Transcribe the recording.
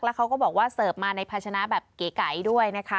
แล้วเขาก็บอกว่าเสิร์ฟมาในภาชนะแบบเก๋ด้วยนะคะ